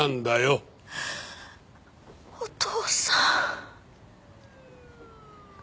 お父さん。